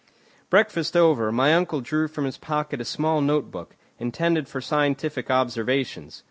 Breakfast over, my uncle drew from his pocket a small notebook, intended for scientific observations.